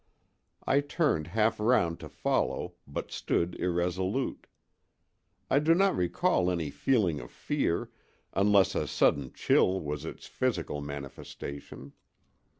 I turned half round to follow, but stood irresolute. I do not recall any feeling of fear, unless a sudden chill was its physical manifestation.